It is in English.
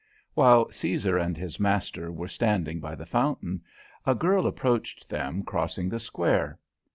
While Caesar and his master were standing by the fountain, a girl approached them, crossing the Square.